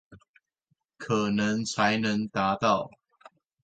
可能才能達到